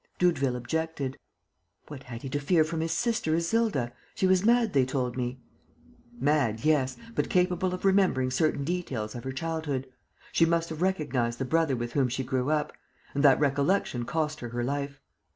Doudeville objected: "What had he to fear from his sister Isilda? She was mad, they told me." "Mad, yes, but capable of remembering certain details of her childhood. She must have recognized the brother with whom she grew up ... and that recollection cost her her life."